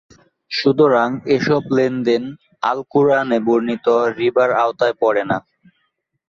সুতরাং এসব লেনদেন "আল-কুরআনে" বর্ণিত ‘রিবা’র আওতায় পড়ে না।